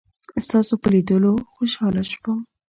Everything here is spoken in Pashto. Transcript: ستاسو په لیدلو خوشحاله شوم.